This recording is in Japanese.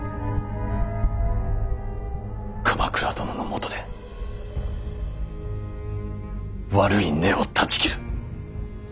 鎌倉殿のもとで悪い根を断ち切る。